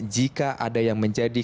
jika ada yang menjadi